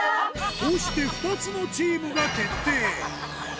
こうして２つのチームが決定。